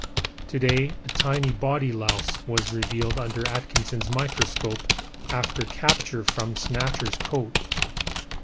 To day a tiny body louse was revealed under Atkinson's microscope after capture from 'Snatcher's' coat.